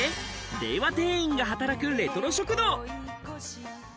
令和店員が働くレトロ食堂！